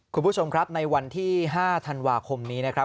คุณผู้ชมครับในวันที่๕ธันวาคมนี้นะครับ